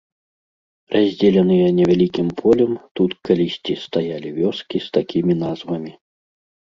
Раздзеленыя невялікім полем, тут калісьці стаялі вёскі з такімі назвамі.